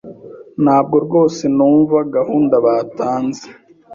Ntabwo rwose numva gahunda batanze.